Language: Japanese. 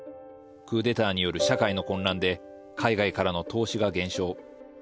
クーデターによる社会の混乱で海外からの投資が減少。